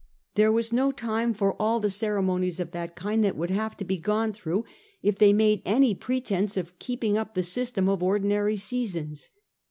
There was no time for all the ceremonies of that kind that would have to be gone through if they made any pretence at keeping up the system of ordinary seasons.